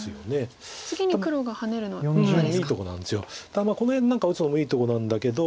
ただこの辺何か打つのもいいとこなんだけど。